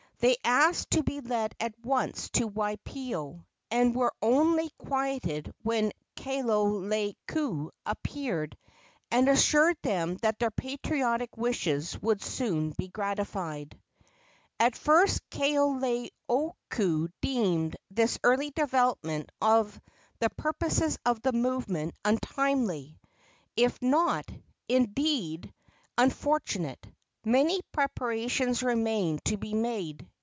They asked to be led at once to Waipio, and were only quieted when Kaoleioku appeared and assured them that their patriotic wishes would soon be gratified. At first Kaoleioku deemed this early development of the purposes of the movement untimely, if not, indeed, unfortunate. Many preparations remained to be made.